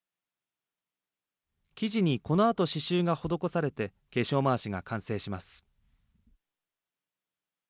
生地にこのあと刺しゅうが施されて化粧まわしが完成します。